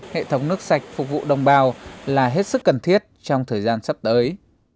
hệ thống nước sạch phục vụ đồng bào là hết sức cần thiết trong thời gian sắp tới